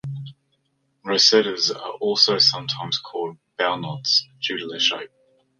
Rosettes are also sometimes called bowknots, due to their shape.